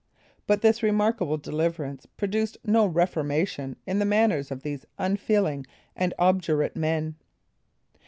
But this remarkable deliverance produced no reformation in the manners of these unfeeling and obdurate men.